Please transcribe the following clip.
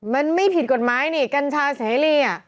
มันไม่ผิดกฎหมายนี่กัญชาเสรี